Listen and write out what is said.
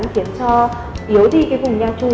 khiến cho yếu đi vùng nha trung